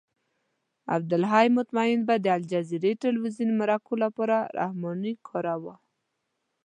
عبدالحی مطمئن به د الجزیرې تلویزیون مرکو لپاره رحماني کاراوه.